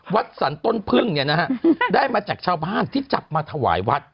วัดสรรต้นพึ่งเนี่ยนะฮะได้มาจากชาวบ้านที่จับมาถวายวัด